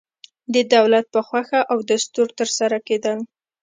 د دولت په خوښه او دستور ترسره کېدل.